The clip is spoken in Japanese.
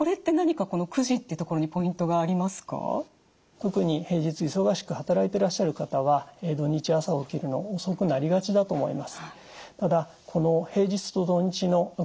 特に平日忙しく働いてらっしゃる方は土日朝起きるの遅くなりがちだと思います。